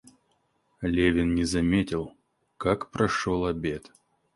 Левин не заметил, как прошел обед.